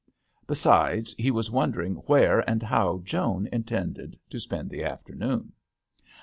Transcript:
Besides, he was wondering where and how Joan intended to spend the afternoon.